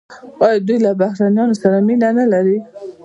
آیا دوی له بهرنیانو سره مینه نلري؟